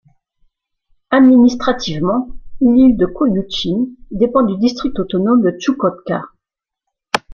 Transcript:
Administrativement, l'île Kolioutchine dépend du district autonome de Tchoukotka.